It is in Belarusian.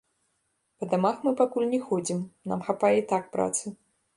Па дамах мы пакуль не ходзім, нам хапае і так працы.